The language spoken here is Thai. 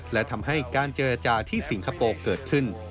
และทำให้การเจรจาที่สิงคโปร์เกิดขึ้น